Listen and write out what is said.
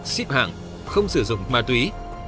xếp hàng không sử dụng ma túy